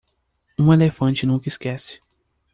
Um elefante nunca esquece.